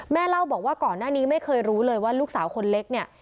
เล่าบอกว่าก่อนหน้านี้ไม่เคยรู้เลยว่าลูกสาวคนเล็กเนี่ย